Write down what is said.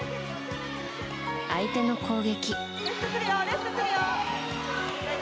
相手の攻撃。